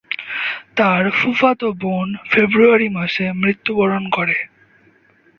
তার ফুফাতো বোন ফেব্রুয়ারি মাসে মৃত্যুবরণ করে।